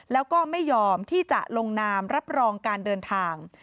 แล้วก็ไม่ยอมที่จะลงนามรับรองการเดินทาง